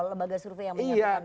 lembaga survei yang menyatukan itu